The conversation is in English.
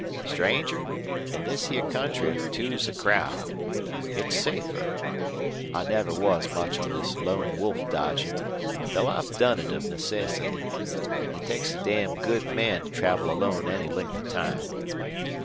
"Stranger, in this here country two's a crowd. It's safer. I never was much on this lone wolf dodgin', though I've done it of necessity. It takes a damn good man to travel alone any length of time.